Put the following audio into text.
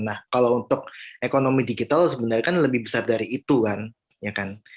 nah kalau untuk ekonomi digital sebenarnya kan lebih besar dari itu kan ya kan